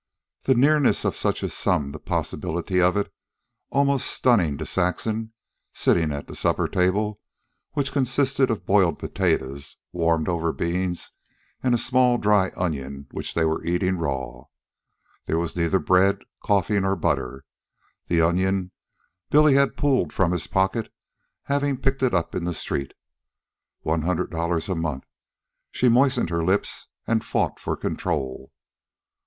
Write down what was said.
The nearness of such a sum, the possibility of it, was almost stunning to Saxon, sitting at a supper which consisted of boiled potatoes, warmed over beans, and a small dry onion which they were eating raw. There was neither bread, coffee, nor butter. The onion Billy had pulled from his pocket, having picked it up in the street. One hundred dollars a month! She moistened her lips and fought for control.